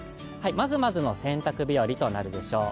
まずまずの洗濯日和となるでしょう。